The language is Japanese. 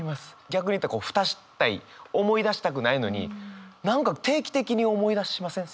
逆に言うとこう蓋したい思い出したくないのに何か定期的に思い出しません？